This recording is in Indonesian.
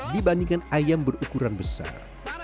dibandingkan ayam berukuran besar